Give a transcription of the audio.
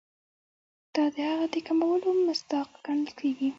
دا د هغه د کمولو مصداق ګڼل کیږي.